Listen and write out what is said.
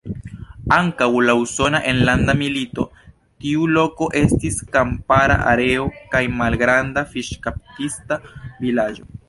Antaŭ la Usona Enlanda Milito tiu loko estis kampara areo kaj malgranda fiŝkaptista vilaĝo.